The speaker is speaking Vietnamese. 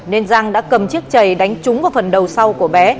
nên giang đã cầm chiếc chầy đánh trúng vào phần đầu sau của bé